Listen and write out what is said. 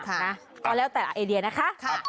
ก็แล้วแต่ละไอเดียนะคะ